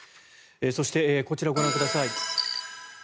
そして、こちらご覧ください。